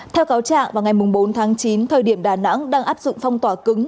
theo cáo trạng vào ngày bốn tháng chín thời điểm đà nẵng đang áp dụng phong tỏa cứng